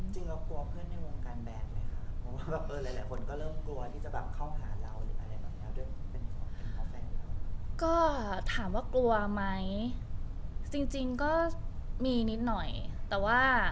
จริงก็กลัวเพื่อนในวงงานแบบเลยค่ะ